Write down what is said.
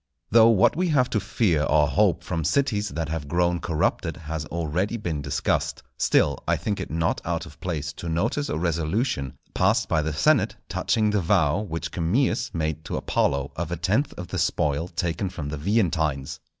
Though what we have to fear or hope from cities that have grown corrupted has already been discussed, still I think it not out of place to notice a resolution passed by the senate touching the vow which Camillus made to Apollo of a tenth of the spoil taken from the Veientines.